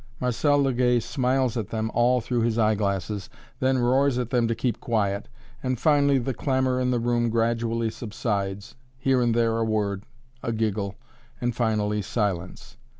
Marcel Legay smiles at them all through his eyeglasses, then roars at them to keep quiet and finally the clamor in the room gradually subsides here and there a word a giggle and finally silence.